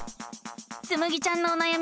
つむぎちゃんのおなやみは何かな？